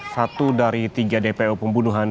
satu dari tiga dpo pembunuhan